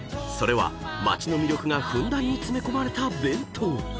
それは街の魅力がふんだんに詰め込まれた弁当］